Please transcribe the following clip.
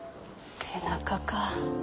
背中か。